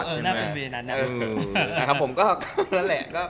คุณบรรพัดใช่ไหม